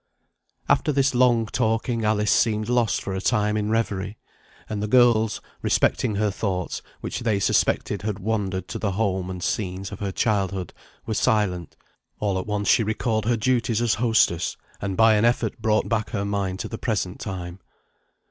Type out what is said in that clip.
After this long talking Alice seemed lost for a time in reverie; and the girls, respecting her thoughts, which they suspected had wandered to the home and scenes of her childhood, were silent. All at once she recalled her duties as hostess, and by an effort brought back her mind to the present time.